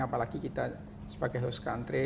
apalagi kita sebagai host country